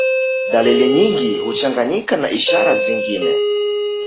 Dalili nyingi huchanganyika na ishara zingine